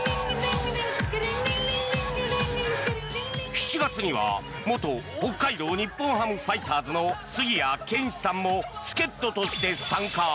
７月には元北海道日本ハムファイターズの杉谷拳士さんも助っ人として参加。